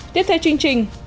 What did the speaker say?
tiếp theo chương trình